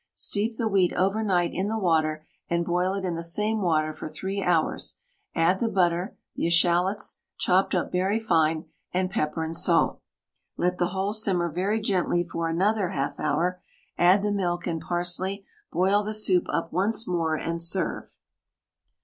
Steep the wheat over night in the water and boil it in the same water for 3 hours, add the butter, the eschalots, chopped up very fine, and pepper and salt. Let the whole simmer very gently for another 1/2 hour, add the milk and parsley, boil the soup up once more, and serve.